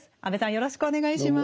よろしくお願いします。